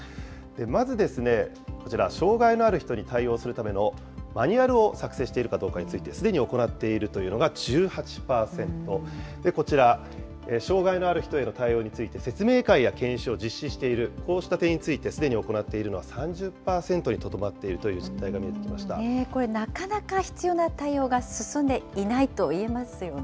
まず、こちら、障害のある人に対応するためのマニュアルを作成しているかどうかについて、すでに行っているというのが１８％、こちら、障害のある人への対応について説明会や研修を実施している、こうした点についてすでに行っているのは３０％にとどまっているこれ、なかなか必要な対応が進んでいないと言えますよね。